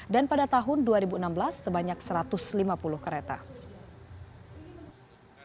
dan pada tahun dua ribu enam belas sebanyak satu ratus lima puluh kereta